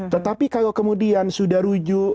tetapi kalau kemudian sudah rujuk